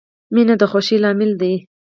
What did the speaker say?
• مینه د خوښۍ لامل دی.